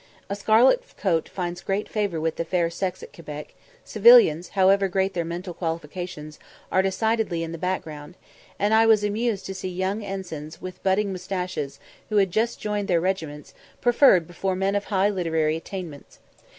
A scarlet coat finds great favour with the fair sex at Quebec civilians, however great their mental qualifications, are decidedly in the background; and I was amused to see young ensigns, with budding moustaches, who had just joined their regiments, preferred before men of high literary attainments.